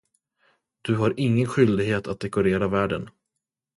Du har ingen skyldighet att dekorera världen.